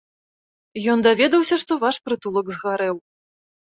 Ён даведаўся, што ваш прытулак згарэў.